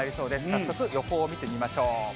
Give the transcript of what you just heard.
早速、予報を見てみましょう。